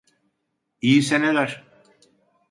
İyi seneler.